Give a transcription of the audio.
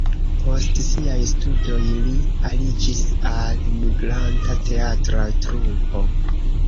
Post siaj studoj li aliĝis al migranta teatra trupo.